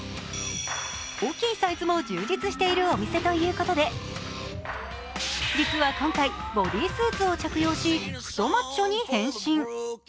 大きいサイズも充実しているお店ということで実は今回、ボディースーツを着用し、太マッチョに変身。